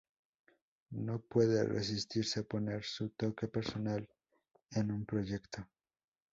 No puede resistirse a poner su toque personal en un proyecto.